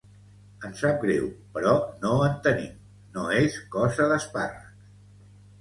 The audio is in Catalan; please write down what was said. Em sap greu, però no en tenim, no és cosa d'espàrrecs.